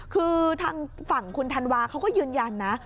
คือทางฝั่งคุณธันวาเขาก็ยืนยันนะ